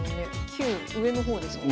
級上の方ですもんね。